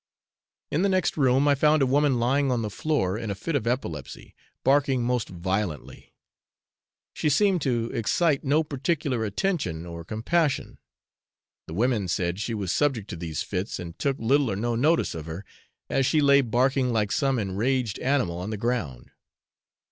In the next room I found a woman lying on the floor in a fit of epilepsy, barking most violently. She seemed to excite no particular attention or compassion; the women said she was subject to these fits, and took little or no notice of her, as she lay barking like some enraged animal on the ground.